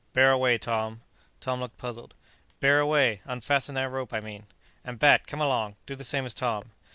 Bear away, Tom!" Tom looked puzzled. "Bear away! unfasten that rope, I mean. And, Bat, come along; do the same as Tom."